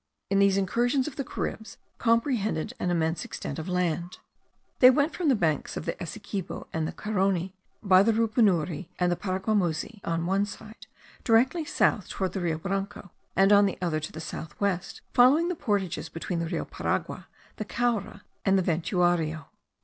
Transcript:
These incursions of the Caribs comprehended an immense extent of land; they went from the banks of the Essequibo and the Carony, by the Rupunuri and the Paraguamuzi on one side, directly south towards the Rio Branco; and on the other, to the south west, following the portages between the Rio Paragua, the Caura, and the Ventuario.